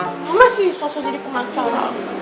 mama sih selesai jadi pengacara